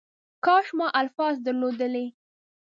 کاش ما الفاظ درلودلی .